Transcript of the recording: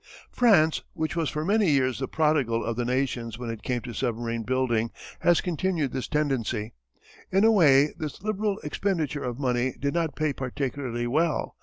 France, which was for many years the prodigal of the nations when it came to submarine building has continued this tendency. In a way this liberal expenditure of money did not pay particularly well.